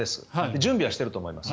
準備はしていると思います。